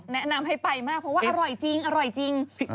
แนะนำให้ไปมากเพราะว่าอร่อยจริง